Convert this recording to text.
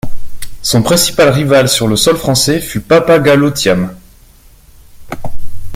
Son principal rival sur le sol français fut Papa Gallo Thiam.